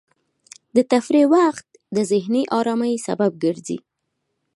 د تفریح وخت د ذهني ارامۍ سبب ګرځي.